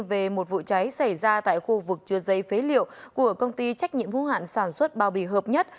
về một vụ cháy xảy ra tại khu vực chứa dây phế liệu của công ty trách nhiệm hữu hạn sản xuất bao bì hợp nhất